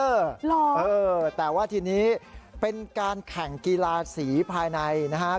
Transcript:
เหรอเออแต่ว่าทีนี้เป็นการแข่งกีฬาสีภายในนะครับ